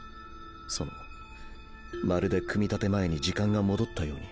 そのまるで組み立て前に時間が戻ったように。